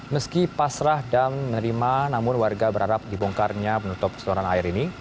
meski pasrah dan menerima namun warga berharap dibongkarnya penutup seluruh air ini